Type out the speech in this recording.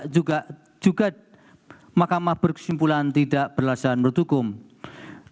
juga makamah berkesimpulan tidak berlasan berdukung